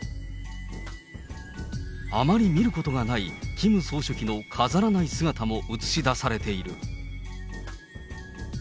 あまり見ることがないキム総書記の飾らない姿も映し出されている。